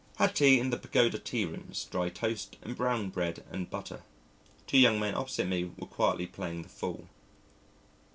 Had tea in the Pagoda tea rooms, dry toast and brown bread and butter. Two young men opposite me were quietly playing the fool.